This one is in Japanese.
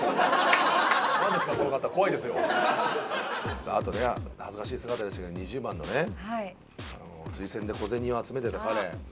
さああとね恥ずかしい姿でしたけど２０番のね釣り銭で小銭を集めてた彼。